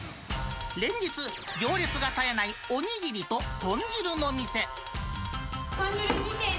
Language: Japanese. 連日、行列が絶えないお握りととん汁の店。